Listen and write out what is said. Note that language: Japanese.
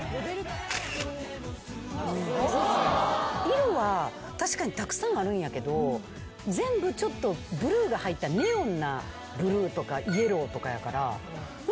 色は確かにたくさんあるんやけど全部ちょっとブルーが入ったネオンなブルーとかイエローとかやから。